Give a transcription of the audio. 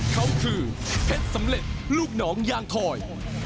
เขาคือเพชรสำเร็จลูกหนองยางถอย